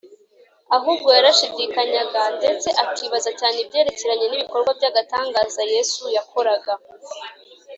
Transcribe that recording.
ahubwo yarashidikanyaga ndetse akibaza cyane ibyerekeranye n’ibikorwa by’agatangaza yesu yakoraga